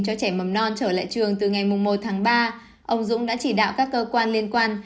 cho trẻ mầm non trở lại trường từ ngày một tháng ba ông dũng đã chỉ đạo các cơ quan liên quan